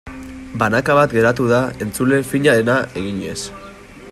Banaka bat geratu da entzule finarena eginez.